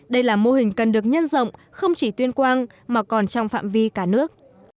đây là mô hình cần được nhân rộng không chỉ tuyên quang mà còn trong phạm vi cả nước